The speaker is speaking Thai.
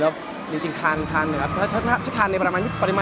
จริงแล้วถ้าทานในปริมาณที่พอเหมาะก็จะดี